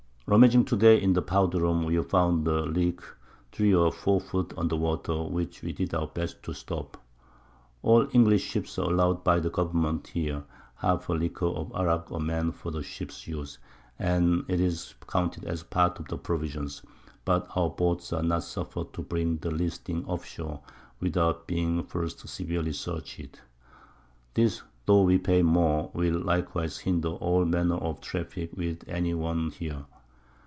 Rummaging to day in the Powder room, we found a Leak 3 or 4 Foot under Water, which we did our best to stop. All English Ships are allowed by the Government here half a Leaguer of Arrack a Man for the Ships Use, and 'tis counted as part of the Provisions, but our Boats are not suffer'd to bring the least thing off Shore, without being first severely searched. This, tho' we pay more, will likewise hinder all manner of Traffick with any one here.